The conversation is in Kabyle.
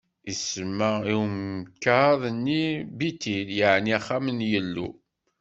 Isemma i umkad-nni Bitil, yeɛni Axxam n Yillu.